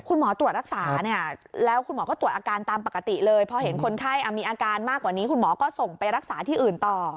คุณหมอตรวจรักษาเนี่ยแล้วคุณหมอก็ตรวจอาการตามปกติเลยพอเห็นคนไข้มีอาการมากกว่านี้คุณหมอก็ส่งไปรักษาที่อื่นต่อ